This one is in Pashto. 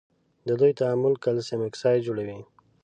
د دوی تعامل کلسیم اکساید جوړوي.